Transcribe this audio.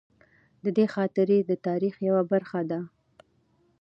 د ده خاطرې د تاریخ یوه برخه ده.